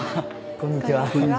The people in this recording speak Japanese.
こんにちは。